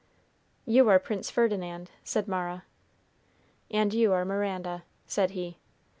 "You are Prince Ferdinand," said Mara. "And you are Miranda," said he.